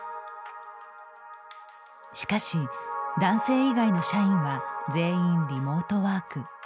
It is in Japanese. しかし、男性以外の社員は全員リモートワーク。